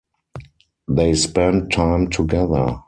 They spend time together.